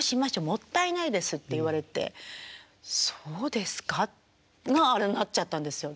もったいないです」って言われて「そうですか？」があれになっちゃったんですよ。